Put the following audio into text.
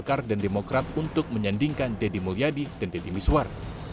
golkar dan demokrat untuk menyandingkan deddy mulyadi dan deddy miswar